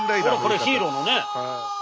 これヒーローのね。